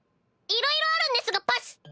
いろいろあるんですがパス！